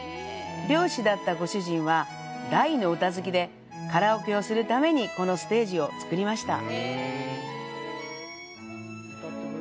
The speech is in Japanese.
漁師だったご主人は大の歌好きで、カラオケをするためにこのステージを造りました。